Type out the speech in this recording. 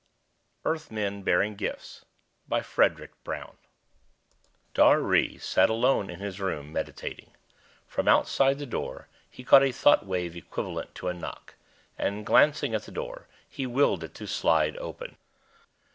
EARTHMEN BEARING GIFTS By FREDRIC BROWN Illustrated by CARTER Dhar Ry sat alone in his room, meditating. From outside the door he caught a thought wave equivalent to a knock, and, glancing at the door, he willed it to slide open.